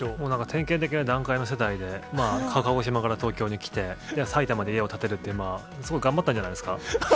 典型的な団塊の世代で、鹿児島から東京に来て埼玉に家を建てるっていう、すごい頑張ったんじゃないですか。